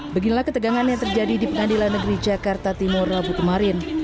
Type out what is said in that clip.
beginilah ketegangan yang terjadi di pengadilan negeri jakarta timur rabu kemarin